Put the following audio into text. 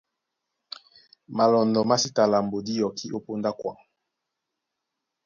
Malɔndɔ má sí ta lambo dí yɔkí ó póndá a kwaŋ.